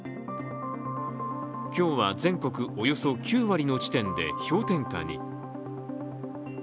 今日は全国およそ９割の地点で氷点下に。